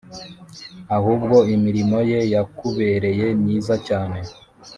ahubwo imirimo ye yakubereye myiza cyane.